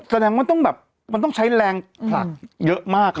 แสดงว่าต้องแบบมันต้องใช้แรงผลักเยอะมาก